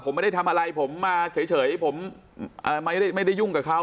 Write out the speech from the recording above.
ผมไม่ได้ทำอะไรผมมาเฉยเฉยผมอ่าไม่ได้ไม่ได้ยุ่งกับเขา